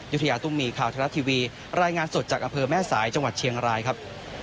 ยุธยาตุ้มมีข่าวไทยรัฐทีวีรายงานสดจากอำเภอแม่สายจังหวัดเชียงรายครับ